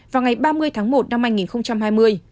vào ngày ba mươi tháng một năm hai nghìn hai mươi